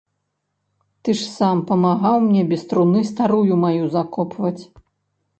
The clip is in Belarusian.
Ты ж сам памагаў мне без труны старую маю закопваць.